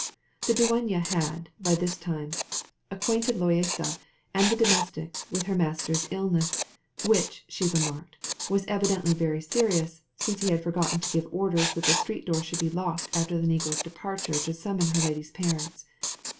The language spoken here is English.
The dueña had, by this time, acquainted Loaysa and the domestics with her master's illness, which, she remarked, was evidently very serious, since he had forgotten to give orders that the street door should be locked after the negro's departure to summon her lady's parents.